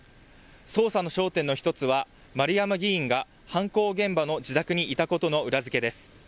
捜査の焦点の１つは丸山議員が犯行現場の自宅にいたことの裏付けです。